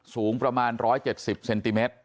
สูงประมาณ๑๗๐เซนติเมตร